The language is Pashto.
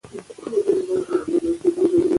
او منلي هوښیارانو د دنیا دي